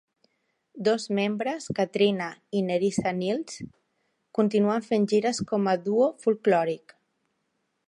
Dos membres, Katryna i Nerissa Nields, continuen fent gires com a duo folklòric.